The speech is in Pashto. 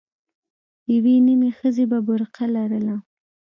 يوې نيمې ښځې به برقه لرله.